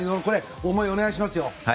思いをお願いします。